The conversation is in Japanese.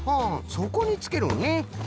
そこにつけるんね。